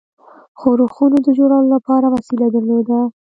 ښورښونو د جوړولو لپاره وسیله درلوده.